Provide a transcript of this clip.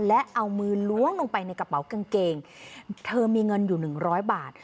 และเอามือล้วงลงไปในกระเป๋ากางเกงเธอมีเงินอยู่หนึ่งร้อยบาท